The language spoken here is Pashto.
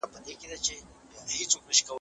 د علم له لاري باید ټولنیزي ستونزي حل سي.